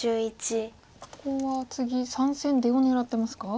ここは次３線出を狙ってますか？